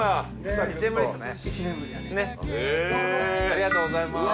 ありがとうございます。